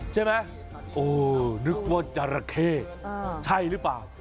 ใช่ไหมโอ้นึกว่าจราเข้ใช่หรือเปล่า